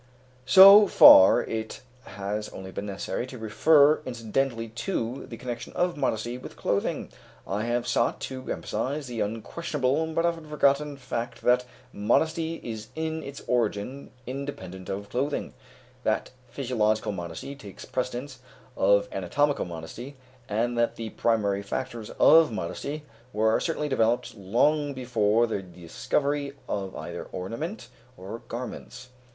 So far it has only been necessary to refer incidentally to the connection of modesty with clothing. I have sought to emphasize the unquestionable, but often forgotten, fact that modesty is in its origin independent of clothing, that physiological modesty takes precedence of anatomical modesty, and that the primary factors of modesty were certainly developed long before the discovery of either ornament or garments.